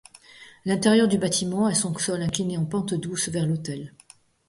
L'intérieur du bâtiment a son sol incliné en pente douce vers l'autel.